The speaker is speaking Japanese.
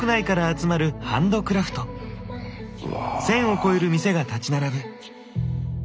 １，０００を超える店が立ち並ぶ。